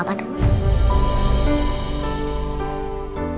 aku udah bisa bernafas